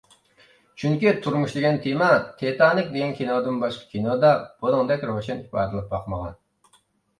چۈنكى تۇرمۇش دېگەن تېما، تىتانىك دېگەن كىنودىن باشقا كىنودا بۇنىڭدەك روشەن ئىپادىلىنىپ باقمىغان.